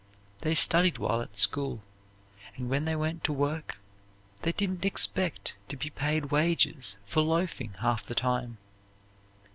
They studied while at school, and when they went to work, they didn't expect to be paid wages for loafing half the time.